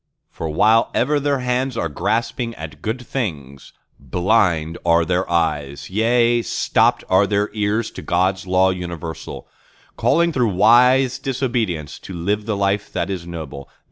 —for while ever their hands are grasping at good things, Blind are their eyes, yea, stopped are their ears to God's Law universal, Calling through wise disobedience to live the life that is noble.